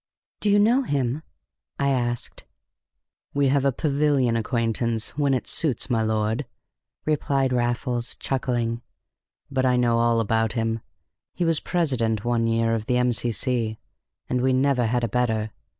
"Do you know him?" I asked. "We have a pavilion acquaintance, when it suits my lord," replied Raffles, chuckling. "But I know all about him. He was president one year of the M.C.C., and we never had a better.